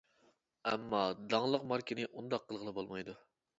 ئەمما داڭلىق ماركىنى ئۇنداق قىلغىلى بولمايدۇ.